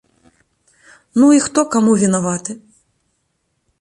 Ну і хто каму вінаваты?